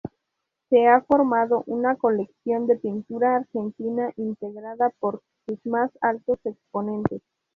Se ha formado una colección de pintura argentina integrada por sus más altos exponentes.